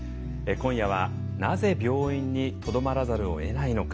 今夜はなぜ病院にとどまらざるをえないのか。